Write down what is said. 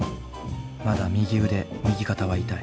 まだ右腕右肩は痛い。